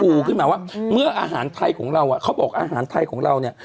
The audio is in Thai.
ขึ้นมาว่าเมื่ออาหารไทยของเราอ่ะเขาบอกอาหารไทยของเราเนี่ย